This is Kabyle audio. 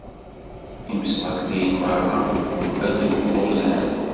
Imesbaṭliyen merra ad bruzzɛen.